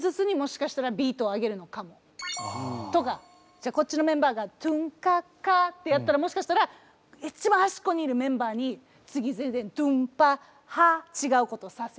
じゃあこっちのメンバーが「トゥンカッカ」ってやったらもしかしたらいっちばん端っこにいるメンバーに次全然「ドゥンパッハ」ちがうことをさせる。